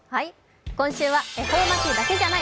今週は「恵方巻だけじゃない！